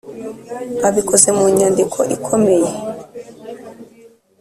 abikoze mu nyandiko ikomeye.